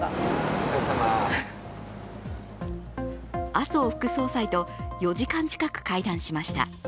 麻生副総裁と４時間近く会談しました。